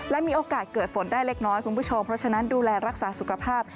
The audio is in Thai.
และมีโอกาสเกิดฝนได้เล็กน้อยคุณผู้ชมเพราะฉะนั้นดูแลรักษาสุขภาพ